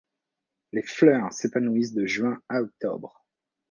Les fleurs s'épanouissent de Juin à Octobre.